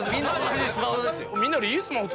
みんなよりいいスマホ。